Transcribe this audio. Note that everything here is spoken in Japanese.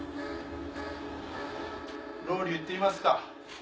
ロウリュ行ってみますか。